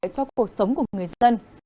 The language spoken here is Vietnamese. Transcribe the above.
cho cuộc sống của người dân